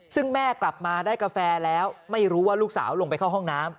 ซึ่งแม่กลับมาได้กาแฟแล้วไม่รู้ว่าลูกสาวลงไปเข้าห้องน้ำ